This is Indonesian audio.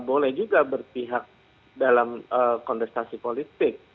boleh juga berpihak dalam kontestasi politik